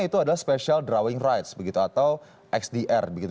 yang terakhir adalah special drawing rights atau xdr